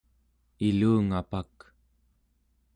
ilungapak